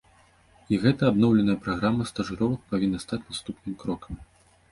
І гэтая абноўленая праграма стажыровак павінна стаць наступным крокам.